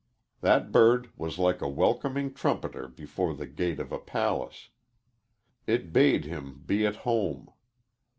That bird was like a welcoming trumpeter before the gate of a palace; it bade him be at home.